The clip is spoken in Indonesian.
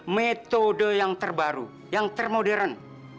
metode yang terbaru yang termodern